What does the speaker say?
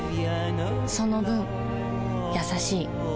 その分優しい